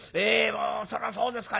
そらそうですか。